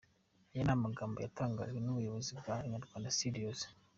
Aya ni amagambo yatangajwe n’ubuyobozi bwa Inyarwanda Studios.